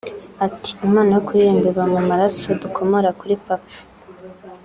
Ati “Impano yo kuririmba iba mu maraso dukomora kuri papa